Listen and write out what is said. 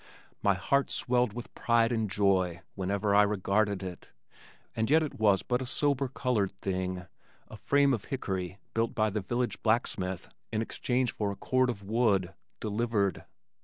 My heart swelled with pride and joy whenever I regarded it, and yet it was but a sober colored thing, a frame of hickory built by the village blacksmith in exchange for a cord of wood delivered.